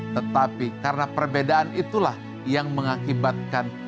tetapi karena perbedaan itulah yang mengakibatkan